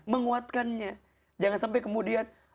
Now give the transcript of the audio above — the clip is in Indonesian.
menguatkannya jangan sampai kemudian